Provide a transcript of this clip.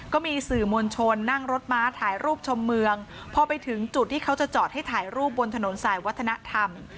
ก็มีสื่อมวลชนนั่งรถม้าถ่ายรูปชมเมืองพอไปถึงจุดที่เขาจะจอดให้ถ่ายรูปบนถนนสายวัฒนธรรม